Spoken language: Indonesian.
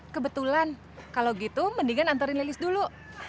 kebetulan kalau gitu mendingan antarin lilis dulu